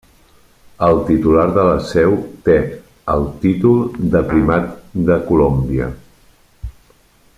El titular de la seu té el títol de Primat de Colòmbia.